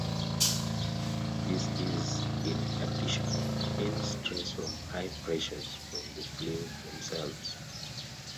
This is in addition to any stress from high pressures from the fluids themselves.